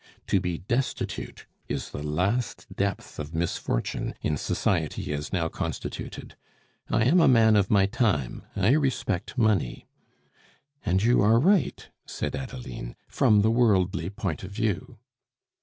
To be destitute is the last depth of misfortune in society as now constituted. I am a man of my time; I respect money." "And you are right," said Adeline, "from the worldly point of view."